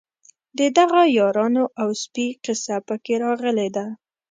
د دغو یارانو او سپي قصه په کې راغلې ده.